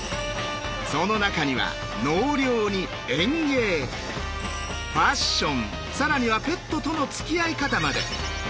その中には納涼に園芸ファッション更にはペットとのつきあい方まで。